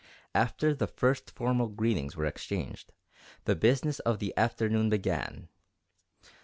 After the first formal greetings were exchanged, the business of the afternoon began.